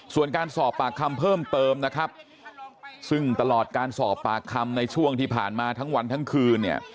ส่วนการสอบปากคำเพิ่มเติมนะครับซึ่งตลอดการสอบปากคำในช่วงที่ผ่านมาทั้งวันทั้งคืนเนี่ย